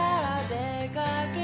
「出かけま」